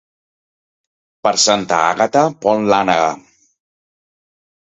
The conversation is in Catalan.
Per Santa Àgata pon l'ànega.